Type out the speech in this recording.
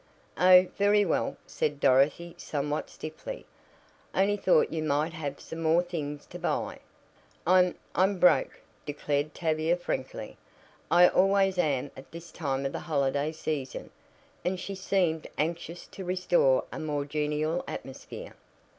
"Oh, very well," said Dorothy somewhat stiffly. "I only thought you might have some more things to buy." "I'm I'm broke," declared Tavia frankly. "I always am at this time of the holiday season," and she seemed anxious to restore a more genial atmosphere.